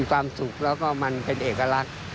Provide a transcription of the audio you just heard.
ความสุขแล้วก็มันเป็นเอกลักษณ์